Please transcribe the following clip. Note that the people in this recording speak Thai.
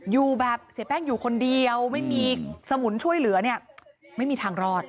อยู่แบบเสียแป้งอยู่คนเดียวไม่มีสมุนช่วยเหลือเนี่ยไม่มีทางรอด